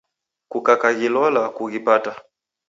Kukaghilola kuw'aghipata.